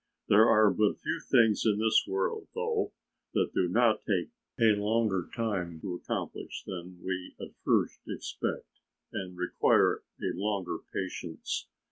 There are but few things in this world though that do not take a longer time to accomplish than we at first expect and require a longer patience.